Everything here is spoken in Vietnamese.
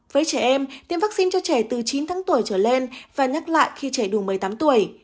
với trẻ em tiêm vaccine cho trẻ từ chín tháng tuổi trở lên và nhắc lại khi trẻ đủ một mươi tám tuổi